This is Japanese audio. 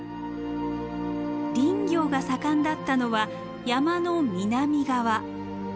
林業が盛んだったのは山の南側。